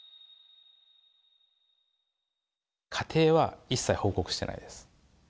過程は一切報告してないです。